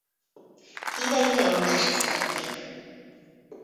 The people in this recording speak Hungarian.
Hívei rajongásig szerették.